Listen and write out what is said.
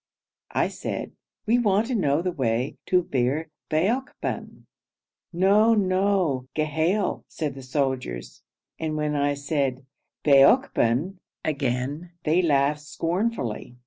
I said, 'We want to know the way to Bir Baokban.' 'No, no! Ghail,' said the soldiers, and when I said 'Baokban!' again they laughed scornfully.